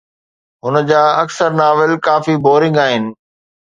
هن جا اڪثر ناول ڪافي بورنگ آهن